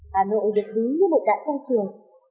hà nội được ví như một cãi công trường